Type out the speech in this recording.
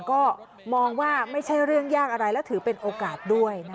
ก็มองว่าไม่ใช่เรื่องยากอะไรและถือเป็นโอกาสด้วยนะคะ